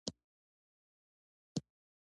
رومیان د انګړ سبزي ده